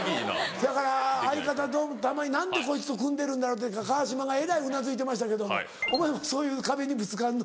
せやから相方と「たまに何でこいつと組んでるんだろう」って川島がえらいうなずいてましたけどお前もそういう壁にぶつかんの？